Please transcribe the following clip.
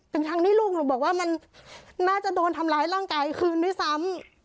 ทั้งที่ลูกหนูบอกว่ามันน่าจะโดนทำร้ายร่างกายคืนด้วยซ้ำ